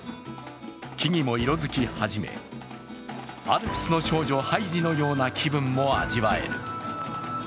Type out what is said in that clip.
木々も色づき始め、「アルプスの少女ハイジ」のような気分も味わえる